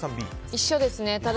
一緒ですね。